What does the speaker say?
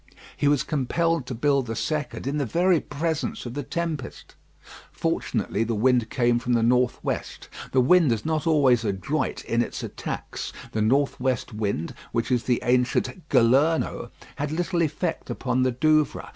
He was compelled to build the second in the very presence of the tempest. Fortunately the wind came from the north west. The wind is not always adroit in its attacks. The north west wind, which is the ancient "galerno," had little effect upon the Douvres.